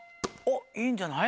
いいんじゃない？